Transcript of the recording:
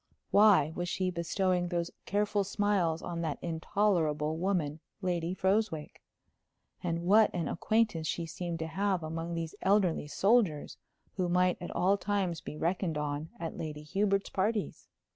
Why was she bestowing those careful smiles on that intolerable woman, Lady Froswick? And what an acquaintance she seemed to have among these elderly soldiers, who might at all times be reckoned on at Lady Hubert's parties!